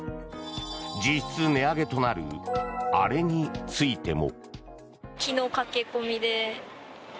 実質値上げとなるあれについても。